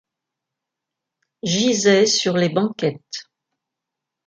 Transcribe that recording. gisaient sur les banquettes.